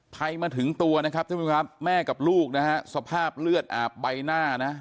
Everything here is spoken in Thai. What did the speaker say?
ภัยมาถึงตัวนะครับท่านผู้ชมครับแม่กับลูกนะฮะสภาพเลือดอาบใบหน้านะ